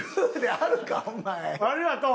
ありがとう。